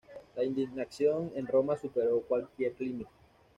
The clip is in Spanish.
La indignación en Roma superó cualquier límite.